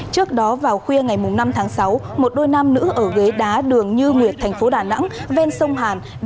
trước đó vào khuya ngày năm tháng sáu một đôi nam nữ ở ghế đá đường như nguyệt thành phố đà nẵng ven sông hàn